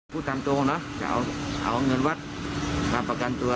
พูดตามตรงนะจะเอาเงินวัดมาประกันตัว